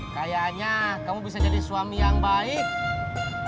kayaknya kamu bisa jadi suami yang baik